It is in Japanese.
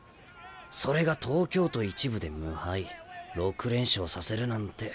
それが東京都１部で無敗６連勝させるなんてあの監督